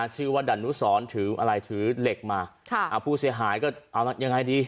ชื่อว่าดันทุศรถือเหล็กมาผู้เสียหายก็ยังไงดี